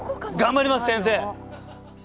頑張ります先生！